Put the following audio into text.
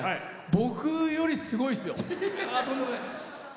僕よりすごいですよ！